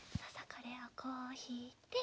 これをこうひいて。